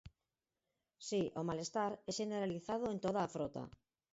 Si, o malestar é xeneralizado en toda a frota.